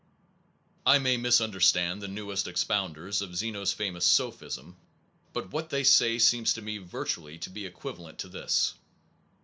I may misunderstand the newest expounders of Zeno s famous sophism/ but what they say seems to me virtually to be equivalent to this.